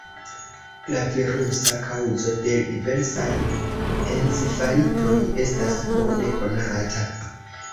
La virusa kaŭzo de diversaj encefalitoj estas bone konata.